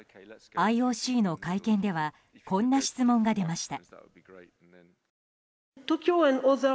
ＩＯＣの会見ではこんな質問が出ました。